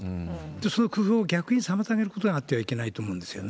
その工夫を逆に妨げることがあってはいけないと思うんですよね。